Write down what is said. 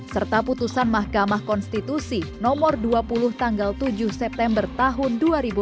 serta putusan mahkamah konstitusi nomor dua puluh tanggal tujuh september tahun dua ribu dua puluh